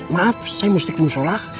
maaf saya mustik tunggu sholat